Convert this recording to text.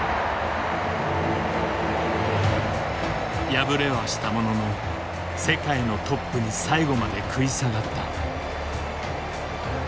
敗れはしたものの世界のトップに最後まで食い下がった。